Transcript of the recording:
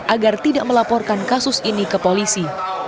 agar tidak melaporkan kasus ini ke polisi